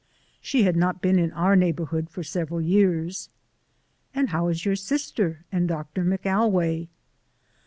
She had not been in our neighborhood for several years. "And how is your sister and Doctor McAlway?"